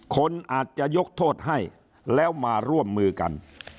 คนอาจจะยกโทษให้แล้วมาร่วมมือกัน